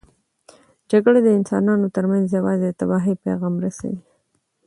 جګړه د انسانانو ترمنځ یوازې د تباهۍ پیغام رسوي.